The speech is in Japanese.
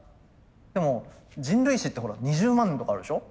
でも人類史ってほら２０万年とかあるでしょ。